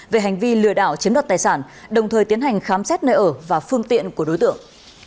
về hành vi lừa đảo chiếm đoạt tài sản đồng thời tiến hành khám xét nơi ở và phương tiện của đối tượng